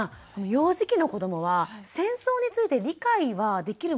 幼児期の子どもは戦争について理解はできるものなんでしょうか？